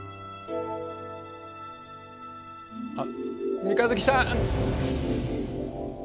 あっ三日月さん。